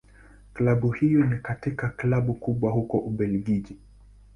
Klabu hiyo ni katika Klabu kubwa huko Ubelgiji.